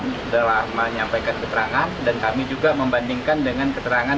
sudah menyampaikan keterangan dan kami juga membandingkan dengan keterangan